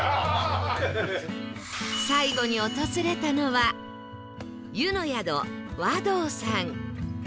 最後に訪れたのはゆの宿和どうさん